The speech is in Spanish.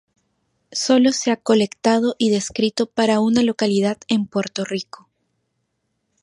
Solo se ha colectado y descrito para una localidad en Puerto Rico.